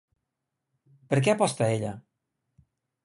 Per què aposta ella?